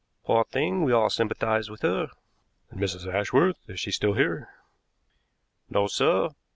"Poor thing, we all sympathize with her." "And Mrs. Ashworth, is she still here?" "No, sir.